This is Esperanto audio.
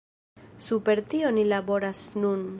Super tio ni laboras nun.